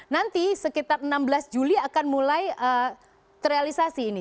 nanti sekitar enam belas juli akan mulai terrealisasi ini